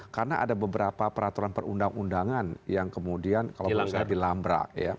karena ada beberapa peraturan perundang undangan yang kemudian kalau bisa dilambrak